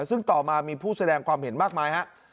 ซึ่งต่อมามีผู้แสดงความเห็นมากมายครับ